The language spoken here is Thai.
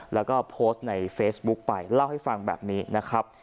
แล้วก็โพสต์ในเฟซบุ๊คไปเล่าให้ฟังแบบนี้นะครับ